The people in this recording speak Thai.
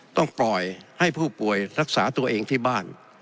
ต้องปล่อยให้ผู้ป่วยรักษาตัวเองที่บ้าน